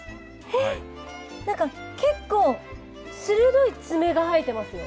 え何か結構鋭いつめが生えてますよ。